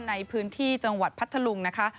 ในพื้นที่จังหวัดพัทธลุงนะคะ